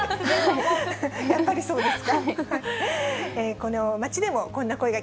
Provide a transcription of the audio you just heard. やっぱりそうですか。